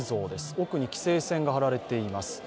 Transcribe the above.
奥に規制線が張られています。